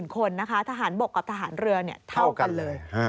คนนะคะทหารบกกับทหารเรือเท่ากันเลย